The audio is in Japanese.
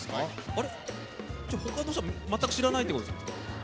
あれ？じゃあほかの人は全く知らないってことですか？